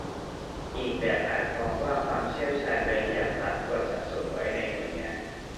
อีกแบบอาจมองว่าความเชี่ยวชาญบางอย่างรัฐควรสะสมไว้ในหน่วยงาน